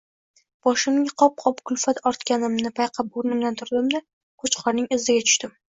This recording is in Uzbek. Boshimga qop-qop kulfat orttirganimni payqab, o‘rnimdan turdim-da, qo‘chqorning iziga tushdim